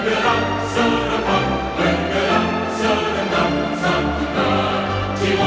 istika kami di